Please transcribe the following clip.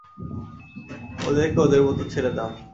ওদেরকে ওদের মতো ছেড়ে দাও।